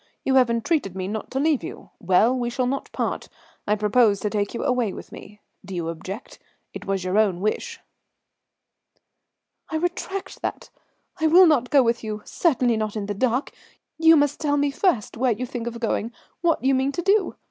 You have entreated me not to leave you. Well, we shall not part; I propose to take you away with me. Do you object? It was your own wish." "I retract that. I will not go with you; certainly not in the dark. You must tell me first where you think of going, what you mean to do.